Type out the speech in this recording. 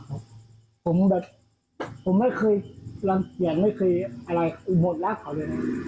ผมแบบผมไม่เคยอยากไม่เคยอะไรหมดแล้วเขาเลยนะ